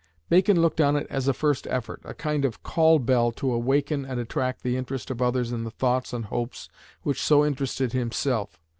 Bacon looked on it as a first effort, a kind of call bell to awaken and attract the interest of others in the thoughts and hopes which so interested himself.